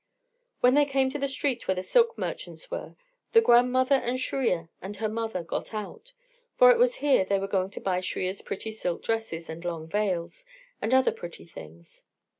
When they came to the street where the silk merchants were, the grandmother and Shriya and her mother got out; for it was here they were going to buy Shriya's pretty silk dresses and long veils, and other pretty things.